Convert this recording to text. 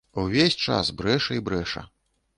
Увесь час брэша і брэша.